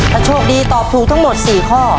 ถ้าโชคดีตอบถูกทั้งหมด๔ข้อ